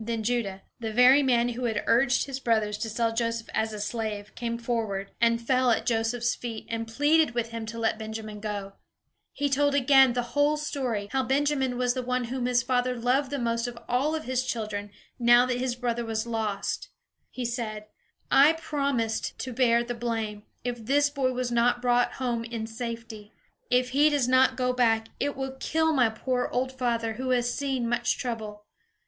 Then Judah, the very man who had urged his brothers to sell Joseph as a slave, came forward, and fell at Joseph's feet, and pleaded with him to let Benjamin go. He told again the whole story, how Benjamin was the one whom his father loved the most of all his children, now that his brother was lost. He said: "I promised to bear the blame, if this boy was not brought home in safety. If he does not go back it will kill my poor old father, who has seen much trouble.